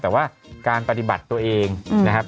แต่ว่าการปฏิบัติตัวเองนะครับ